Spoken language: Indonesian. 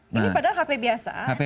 ini padahal hp biasa